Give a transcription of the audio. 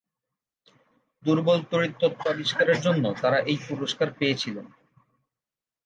দুর্বল তড়িৎ তত্ত্ব আবিষ্কারের জন্য তারা এই পুরস্কার পেয়েছিলেন।